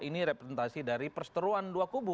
ini representasi dari perseteruan dua kubu